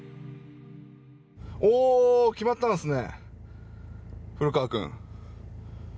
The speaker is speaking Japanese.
おお決まったんですね